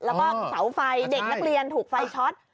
แล้วก็เสาไฟเด็กนักเรียนถูกไฟช็อต